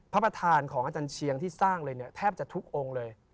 พระประธานของอาจารย์เชียงที่สร้างเลยเนี่ยแทบจะทุกองค์เลย